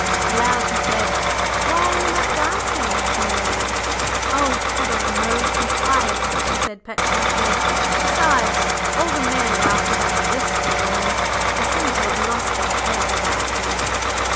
Aloud he said "Why are you not dancing, Miss Muriel?" "Oh, I don't know I'm tired," she said, petulantly. "Besides, all the men are after that Ziska woman, they seem to have lost their heads about her!"